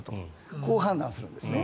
こう判断するんですね。